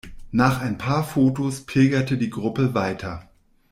Nach ein paar Fotos pilgerte die Gruppe weiter.